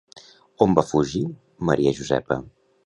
On va fugir Maria Josepa?